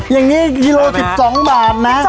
อย่างนี้กิโล๑๒บาทนะ